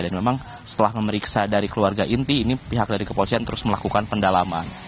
dan memang setelah memeriksa dari keluarga inti ini pihak dari kepolisian terus melakukan pendalaman